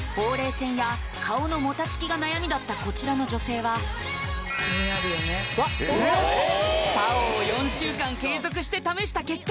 線や顔のもたつきが悩みだったこちらの女性はＰＡＯを４週間継続して試した結果